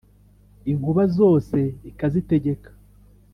Inkuba zose ikazitegeka;